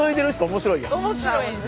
面白いんですよね。